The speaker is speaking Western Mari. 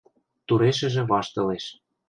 Турешӹжӹ ваштылеш.